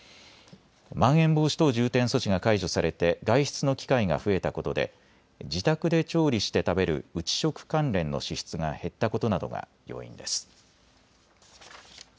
まん延防止等重点措置が解除されて外出の機会が増えたことで自宅で調理して食べる内食関連の支出が減ったことなどが要因です。